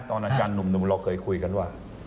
อาจารย์หนุ่มเราเคยคุยกันว่า